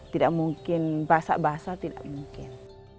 tidak mungkin basah basah tidak mungkin